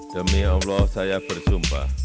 demi allah saya bersumpah